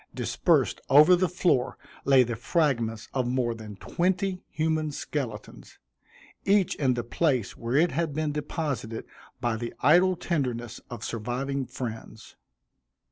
Dispersed over the floor lay the fragments of more than twenty human skeletons, each in the place where it had been deposited by the idle tenderness of surviving friends.